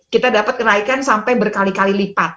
kita dapat kenaikan sampai berkali kali lipat